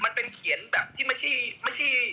มันเป็นเขียนแบบที่ไม่ใช่